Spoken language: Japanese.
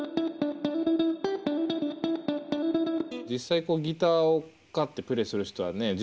実際こうギターを買ってプレーする人はね